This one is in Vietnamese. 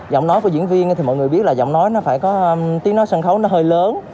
giọng nói của diễn viên thì mọi người biết là giọng nói nó phải có tiếng nói sân khấu nó hơi lớn